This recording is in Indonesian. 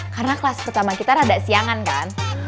karena kelas pertama kita rada siangan kan